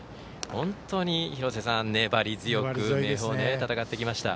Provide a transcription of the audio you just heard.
本当に粘り強く明豊は戦ってきました。